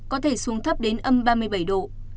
có thể xuống thấp đến âm ba mươi bảy độ